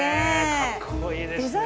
かっこいいですね。